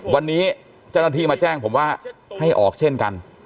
วันนี้เจ้าหน้าที่มาแจ้งผมว่าให้ออกเช่นกัน